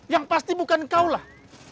yang pasti bukan kau lah